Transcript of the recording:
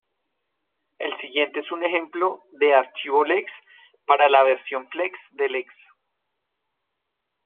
Lo siguiente es un ejemplo de archivo lex para la versión Flex de lex.